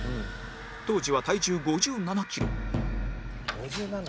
当時は体重５７キロ